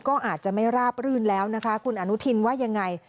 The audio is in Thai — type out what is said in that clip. ก็อาจจะไม่ราบรื่นแล้วนะคะคุณอนุทินว่ายังไง